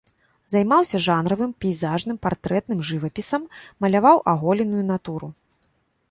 Займаўся жанравым, пейзажным, партрэтным жывапісам, маляваў аголеную натуру.